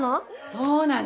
そうなの。